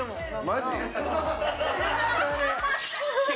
マジ？